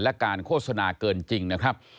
และการโฆษณาเกินจริงนะครับ